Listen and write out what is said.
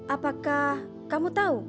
apakah kamu tahu